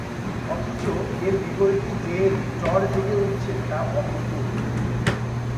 অথচ এর বিপরীতে যে চর জেগে উঠছে, তা অপ্রতুল।